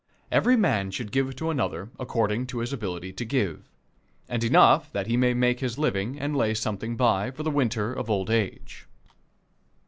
Every man should give to another according to his ability to give and enough that he may make his living and lay something by for the winter of old age.